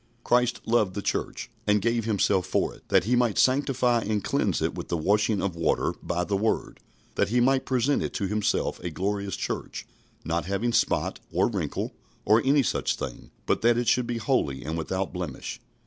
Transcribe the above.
"Christ loved the church, and gave himself for it; that he might sanctify and cleanse it with the washing of water by the word, that he might present it to himself a glorious church, not having spot, or wrinkle, or any such thing; but that it should be holy and without blemish."